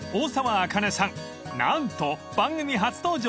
［何と番組初登場！